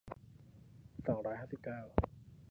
สองร้อยห้าสิบเก้า